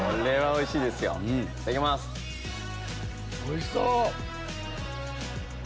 おいしそう！